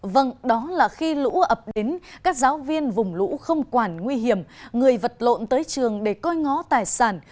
vâng đó là khi lũ ập đến các giáo viên vùng lũ không quản nguy hiểm người vật lộn tới trường để coi ngó tài sản